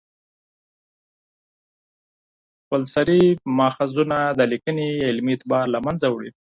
خپلسري ماخذونه د لیکني علمي اعتبار له منځه وړي.